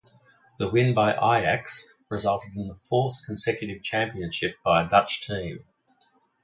The win by Ajax resulted in the fourth consecutive championship by a Dutch team.